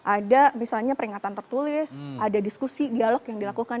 ada misalnya peringatan tertulis ada diskusi dialog yang dilakukan